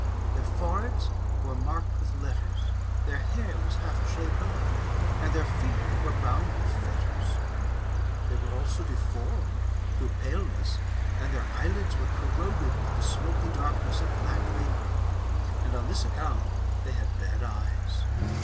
Their foreheads were marked with letters, their hair was half shaved off, and their feet were bound with fetters. They were also deformed, through paleness, and their eyelids were corroded with the smoky darkness of black vapour ; and on this account they had bad eyes.